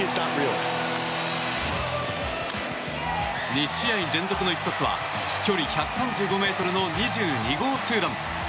２試合連続の一発は飛距離１３５ｍの２２号ツーラン。